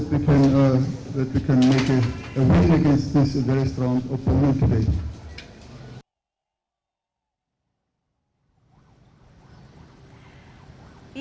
tapi kami bangga bahwa kami bisa membuat perjuangan terhadap tim indonesia yang sangat kuat hari ini